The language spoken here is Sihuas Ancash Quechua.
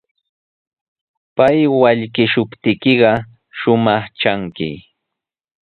Pay wallkishuptiykiqa shumaq tranki.